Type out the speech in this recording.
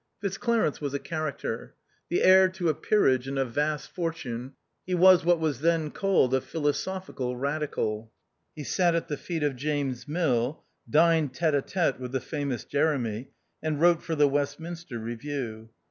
Fitzclarence was a character. The heir to a peerage and a vast fortune, he was what was then called a " Philosophical Radical." He sat at the feet of James Mill, dined tete a tete with the famous Jeremy, and wrote for the Westminster Review.